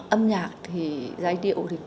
âm nhạc thì giải điệu thì